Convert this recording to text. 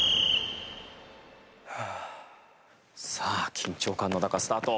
さあ緊張感の中スタート。